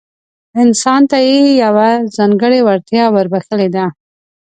انسان ته يې يوه ځانګړې وړتيا وربښلې ده.